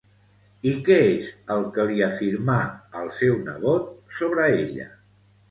I què és el que li afirmà al seu nebot sobre ella?